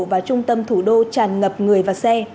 vào trung tâm thủ đô tràn ngập người và xe